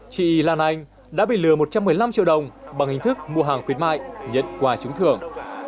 chị lan anh đã bị lừa một trăm một mươi năm triệu đồng bằng hình thức mua hàng khuyến mại nhận quà trúng thưởng